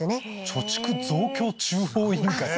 「貯蓄増強中央委員会」